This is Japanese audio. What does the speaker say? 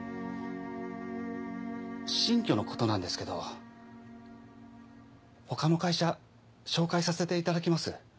新居のことなんですけど他の会社紹介させていただきます。